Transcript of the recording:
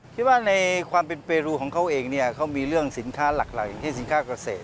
คิดว่าในความเป็นเปรูของเขาเองเนี่ยเขามีเรื่องสินค้าหลักอย่างที่สินค้าเกษตร